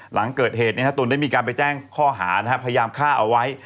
หลังเกิดเหตุตูนได้มีการไปแจ้งข้อหาพยายามฆ่าเอาไว้